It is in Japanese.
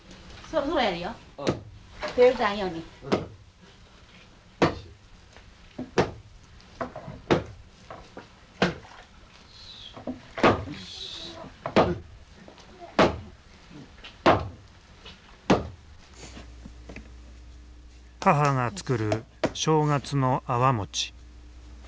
母が作る正月のあわ餅。